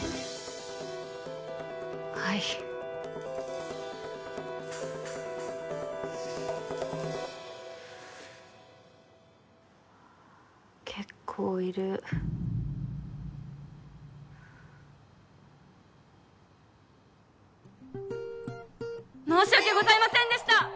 はい結構いる申し訳ございませんでした！